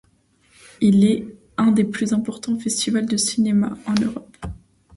Il est un des plus importants festivals de cinéma en Europe.